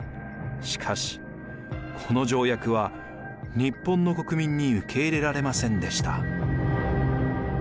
しかしこの条約は日本の国民に受け入れられませんでした。